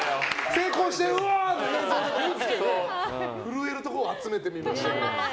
成功してうわー！の映像でもいいんですけど震えるところを集めてみましたと。